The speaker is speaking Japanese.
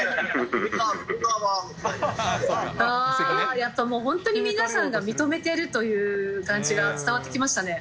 やっぱもう本当に皆さんが認めているという感じが伝わってきましたね。